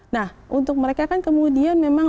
nah untuk mereka kan kemudian memang